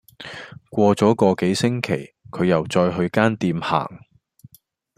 過左個幾星期，佢又再去間店行